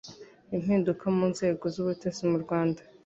impinduka mu Nzego z'ubutasi mu Rwanda